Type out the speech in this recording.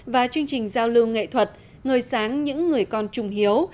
và chương trình giao lưu nghệ thuật người sáng những người con trung hiếu